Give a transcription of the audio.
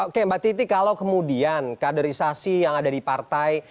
oke mbak titi kalau kemudian kaderisasi yang ada di partai